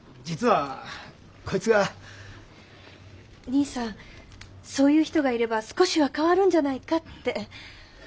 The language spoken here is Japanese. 兄さんそういう人がいれば少しは変わるんじゃないかって。